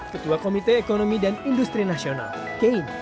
ketua komite ekonomi dan industri nasional kein